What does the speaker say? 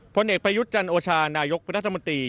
ผลเอกประยุธจันทร์โอชานายกประธรรมนตรี